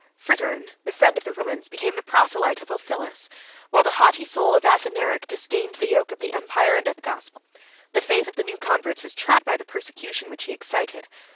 Fritigern, the friend of the Romans, became the proselyte of Ulphilas; while the haughty soul of Athanaric disdained the yoke of the empire and of the gospel. The faith of the new converts was tried by the persecution which he excited.